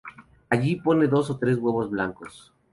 Allí pone dos o tres huevos blancos.